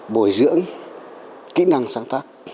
bồi dưỡng kỹ năng sáng tác